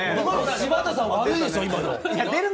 柴田さん、悪いでしょ、今の。